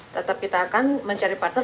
tetap kita akan mencari partner